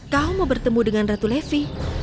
kamu mau bertemu dengan ratu levi